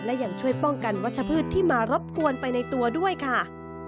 และยังช่วยป้องกันวัชพืชที่มารบกวนไปในตัวด้วยค่ะ